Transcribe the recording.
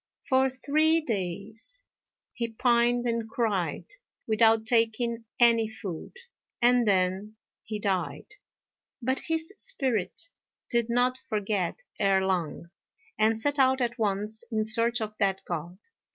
For three days he pined and cried, without taking any food, and then he died. But his spirit did not forget Erh Lang, and set out at once in search of that God.